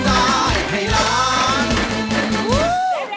เดี๋ยวเดี๋ยวเดี๋ยว